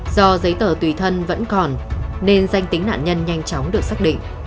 do giấy tờ tùy thân vẫn còn nên danh tính nạn nhân nhanh chóng được xác định